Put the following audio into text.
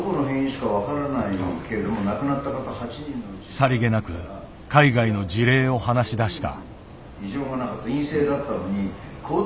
さりげなく海外の事例を話しだした。